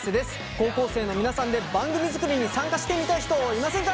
高校生の皆さんで番組作りに参加してみたい人いませんか？